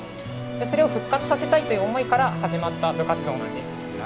それを復活させたいという思いから始まった部活動なんです。